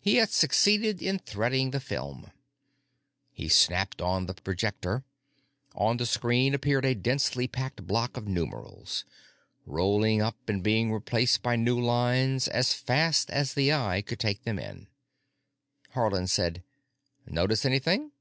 He had succeeded in threading the film. He snapped on the projector. On the screen appeared a densely packed block of numerals, rolling up and being replaced by new lines as fast as the eye could take them in. Haarland said, "Notice anything?"